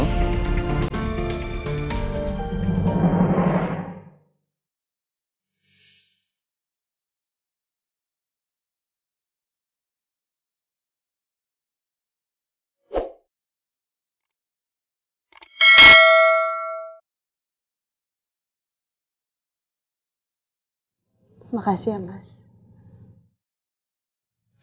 terima kasih amai